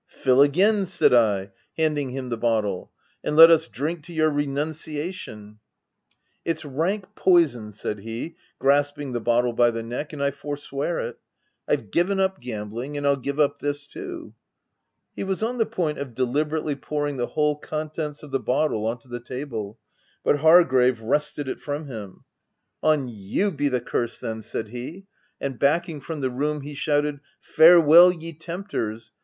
"'Fill again!' said I, handing him the bottle —' and let us drink to your renunciation/ u € It's rank poison/ said he, grasping the bottle by the neck, ' and I forswear it ! I've given up gambling, and Pll give up this too/ He was on the point of deliberately pouring the whole contents of the bottle on to the table, but Hargrave wrested it from him. c On 42 THE TENANT you be the curse, then ! f said he. And backing from the room, he shouted, c Farewell, ye tempters